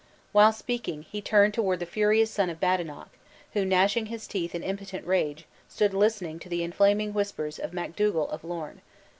While speaking, he turned toward the furious son of Badenoch, who, gnashing his teeth in impotent rage, stood listening to the inflaming whispers of Macdougal of Lorn.